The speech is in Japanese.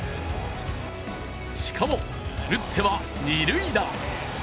しかも、打っては二塁打。